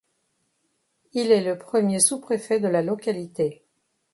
Il est le premier sous-préfet de la localité.